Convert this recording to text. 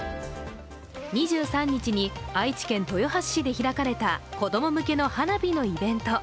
２３日に愛知県豊橋市で開かれた子供向けの花火のイベント。